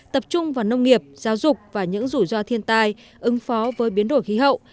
tập trung vào nông nghiệp giáo dục và những rủi ro thiên tai ứng phó với biến đổi khí hậu